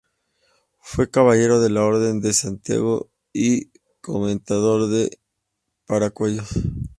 Fue caballero de la Orden de Santiago y comendador de Paracuellos.